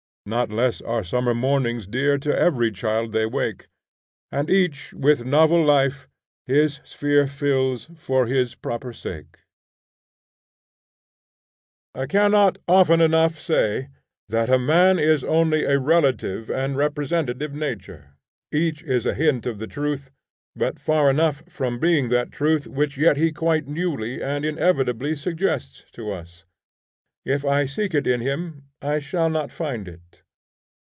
Not less are summer mornings dear To every child they wake, And each with novel life his sphere Fills for his proper sake. VIII. NONIMALIST AND REALIST. I CANNOT often enough say that a man is only a relative and representative nature. Each is a hint of the truth, but far enough from being that truth which yet he quite newly and inevitably suggests to us. If I seek it in him I shall not find it.